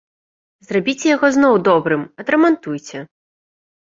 Зрабіце яго зноў добрым, адрамантуйце.